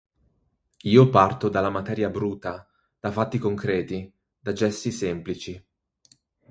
Io parto dalla materia bruta, da fatti concreti, da gesti semplici.